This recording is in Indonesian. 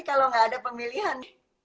kalau gak ada pemilihan